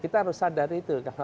kita harus sadar itu